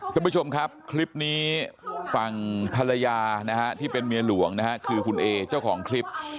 ท่านผู้ชมครับคลิปนี้ฝั่งภรรยานะฮะที่เป็นเมียหลวงนะฮะคือคุณเอเจ้าของคลิป